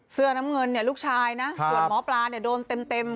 เสื้อน้ำเงินลูกชายส่วนหมอปลาโดนเต็ม